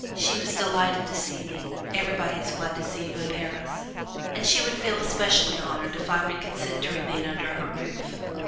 She was delighted to see me everybody is glad to see you in Paris and she would feel especially honored if I would consent to remain under her roof.